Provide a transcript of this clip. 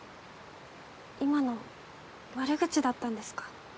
今の悪口だったんですか？